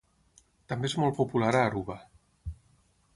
També és molt popular a Aruba.